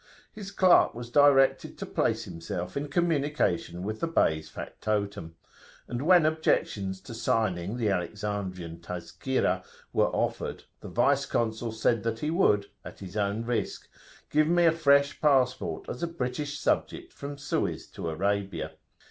His clerk was directed to place himself in communication with the Bey's factotum; and, when objections to signing the Alexandrian Tazkirah were offered, the Vice Consul said that he would, at his own risk, give me a fresh passport as a British subject from Suez to Arabia.